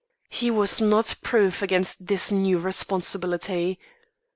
"He was not proof against this new responsibility.